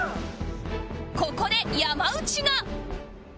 ここで山内が